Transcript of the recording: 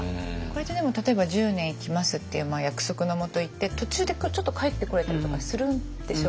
これってでも例えば１０年行きますっていう約束のもと行って途中でちょっと帰ってこれたりとかするんでしょうか？